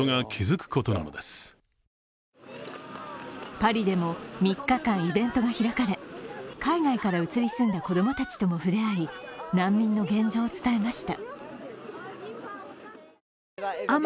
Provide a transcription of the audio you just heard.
パリでも３日間イベントが開かれ、海外から移り住んだ子供たちとも触れ合い難民の現状を伝えました。